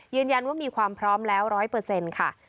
ยืนยันว่ามีความพร้อมแล้ว๑๐๐ค่ะ